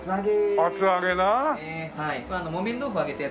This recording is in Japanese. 厚揚げの。